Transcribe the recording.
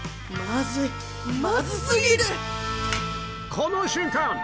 この瞬間